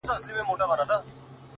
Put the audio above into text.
• چي هر څومره منډه کړو شاته پاتیږو ,